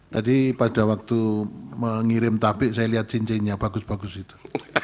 tadi pada waktu mengirim tabik saya lihat cincinnya bagus bagus itu